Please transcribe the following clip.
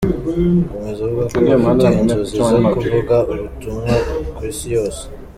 Akomeza avuga ko bafite inzozi zo kuvuga ubutumwa ku Isi yose.